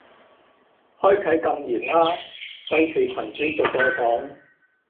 開啟禁言啦，費事群主逐個講